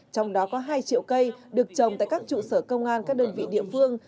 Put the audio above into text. trong đó có hai triệu cây được trồng tại các trụ sở công an các đơn vị địa phương